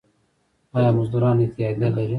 آیا مزدوران اتحادیه لري؟